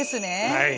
はい。